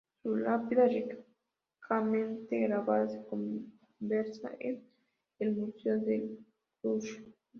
Su lápida, ricamente grabada, se conserva en el Museo de Cluny.